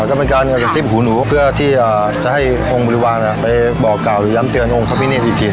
ก็เป็นการกระซิบหูหนูเพื่อที่จะให้องค์บริวารไปบอกกล่าวหรือย้ำเตือนองค์พระพิเนธจริง